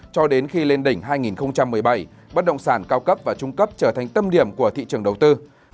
cho đến khi lên đỉnh hai nghìn một mươi bảy bất động sản cao cấp và trung cấp trở thành tâm điểm của thị trường đầu tư